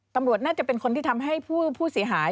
ตำรวจน่าจะเป็นคนที่ทำให้ผู้เสียหาย